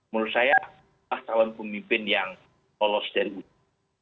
menurut saya pas calon pemimpin yang lolos dari lubang jarum